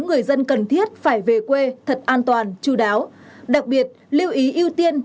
người dân cần thiết phải về quê thật an toàn chú đáo đặc biệt lưu ý ưu tiên